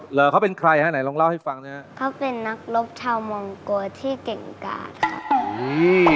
เหรอเขาเป็นใครฮะไหนลองเล่าให้ฟังนะฮะเขาเป็นนักรบชาวมองโกที่เก่งกาดค่ะ